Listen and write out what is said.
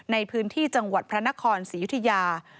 ในพื้นที่จังหวัดพระนครศรียุธยา